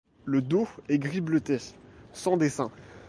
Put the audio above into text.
Le dos est gris-bleuté, sans dessin.